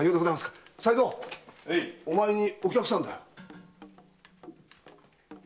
お前にお客さんだよ。